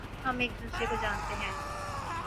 ہم ایک دوسرے کو جانتے ہیں